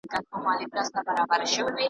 کارګان به په تور مخ وي زموږ له باغ څخه وتلي .